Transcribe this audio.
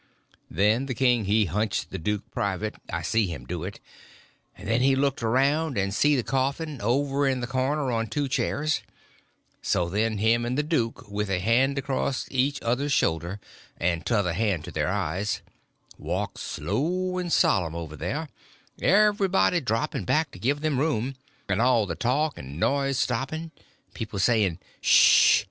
Then the king he hunched the duke private—I see him do it—and then he looked around and see the coffin, over in the corner on two chairs; so then him and the duke, with a hand across each other's shoulder, and t'other hand to their eyes, walked slow and solemn over there, everybody dropping back to give them room, and all the talk and noise stopping, people saying "Sh!"